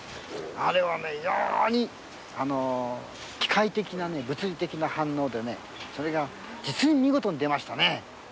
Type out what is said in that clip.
あれは非常に機械的な物理的な反応でそれが実に見事に出ましたね。